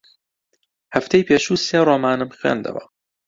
هەفتەی پێشوو سێ ڕۆمانم خوێندەوە.